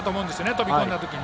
飛び込んだときに。